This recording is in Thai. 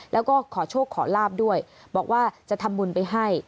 แล้วก็ขอโชคขอลาบด้วยบอกว่าจะทำบุญไปให้